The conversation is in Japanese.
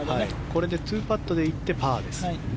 これで２パットで行ってパーです。